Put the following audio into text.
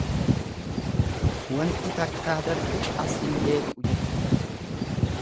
Wanti takkaa darbe as hin deebi'u jechuudha.